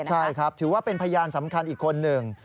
ใช่ครับถือว่าเป็นพยานสำคัญอีกคนหนึ่ง